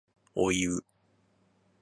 おいう